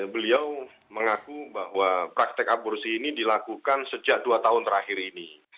beliau mengaku bahwa praktek aborsi ini dilakukan sejak dua tahun terakhir ini